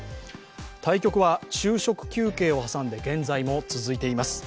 対局は昼食休憩を挟んで現在も続いています。